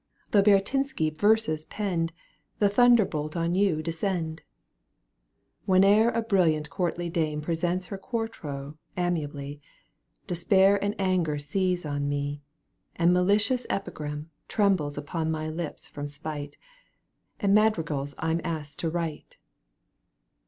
Though Baratynski verses penned, The thunderbolt on you descend ! Whene'er a brilliant courtly dame Presents her quarto amiably. Despair and anger seize on me. And a malicious epigram Trembles upon my lips from spite, — And madrigals I'm asked to write